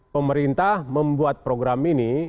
pemerintah membuat program ini